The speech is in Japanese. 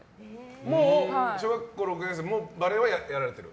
もう小学校６年生はバレーはやられてる？